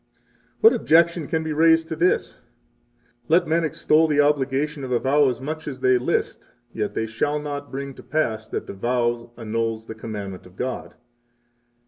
22 What objection can be raised to this? Let men extol the obligation of a vow as much as they list, yet shall they not bring to pass that the vow 23 annuls the commandment of God.